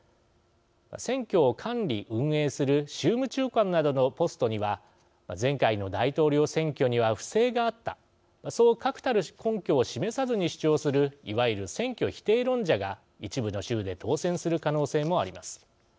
選挙を管理・運営する州務長官などのポストには前回の大統領選挙には不正があったそう確たる根拠を示さずに主張するいわゆる選挙否定論者が一部の州で当選する可能性もあります。